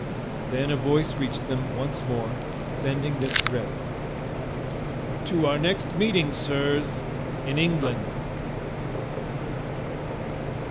Then a voice reached them once more, sending this threat: "To our next meeting, sirs, in England."